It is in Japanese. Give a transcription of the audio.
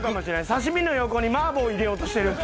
刺身の横に麻婆入れようとしてる。